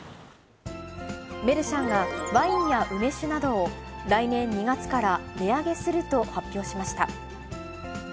メルシャンが、ワインや梅酒などを来年２月から値上げすると発表しました。